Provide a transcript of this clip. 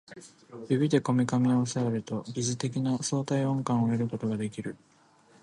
指でこめかみを抑えると疑似的な相対音感を得ることができる